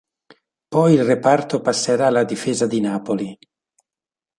Poi il reparto passerà alla difesa di Napoli.